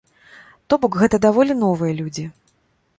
То бок гэта даволі новыя людзі.